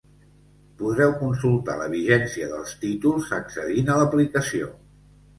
Podreu consultar la vigència dels títols accedint a l'aplicació.